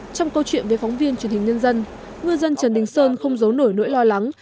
trong câu chuyện với phóng viên truyền hình nhân dân ngư dân trần đình sơn không giấu nổi nỗi lo lắng